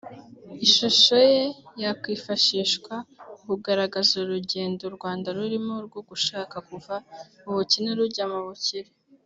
Ishusho ye yakwifashishwa mu kugaragaza urugendo u Rwanda rurimo rwo gushaka kuva mu bukene rujya mu bukire